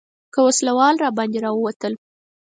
که وسله وال راباندې راووتل.